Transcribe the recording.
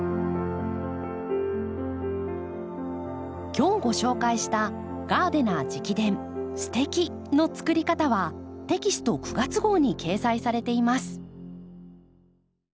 今日ご紹介した「ガーデナー直伝すてき！の作り方」はテキスト９月号に掲載されています。